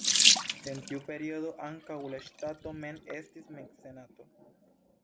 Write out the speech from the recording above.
En tiu periodo ankaŭ la ŝtato mem estis mecenato.